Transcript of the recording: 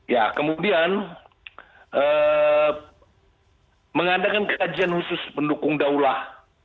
ya kemudian mengadakan kajian khusus pendukung daulah